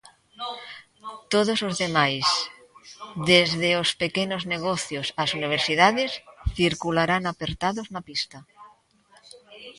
Todos os demais, desde os pequenos negocios ás universidades, circularán apertados na pista.